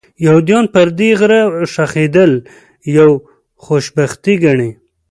یهودان پر دې غره ښخېدل یوه خوشبختي ګڼي.